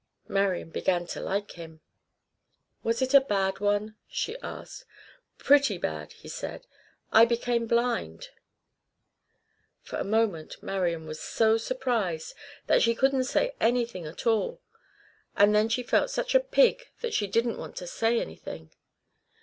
Marian began to like him. "Was it a bad one?" she asked. "Pretty bad," he said. "I became blind." For a moment Marian was so surprised that she couldn't say anything at all; and then she felt such a pig that she didn't want to say anything.